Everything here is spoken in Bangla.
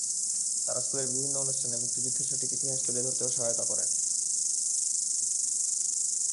তাঁরা স্কুলের বিভিন্ন অনুষ্ঠানে মুক্তিযুদ্ধের সঠিক ইতিহাস তুলে ধরতেও সহায়তা করেন।